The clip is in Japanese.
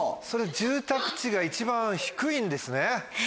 住宅地が一番低いんですね。